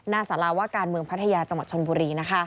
สาราว่าการเมืองพัทยาจังหวัดชนบุรี